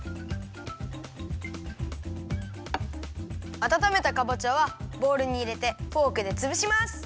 あたためたかぼちゃはボウルにいれてフォークでつぶします。